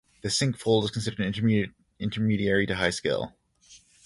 The sink fold is considered an intermediary to high skill.